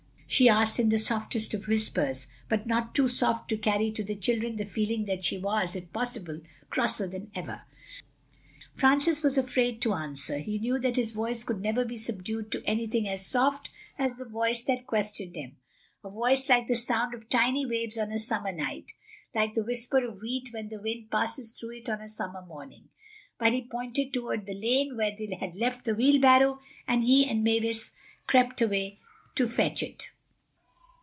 she asked in the softest of whispers, but not too soft to carry to the children the feeling that she was, if possible, crosser than ever. Francis was afraid to answer. He knew that his voice could never be subdued to anything as soft as the voice that questioned him, a voice like the sound of tiny waves on a summer night, like the whisper of wheat when the wind passes through it on a summer morning. But he pointed toward the lane where they had left the wheelbarrow and he and Mavis crept away to fetch it.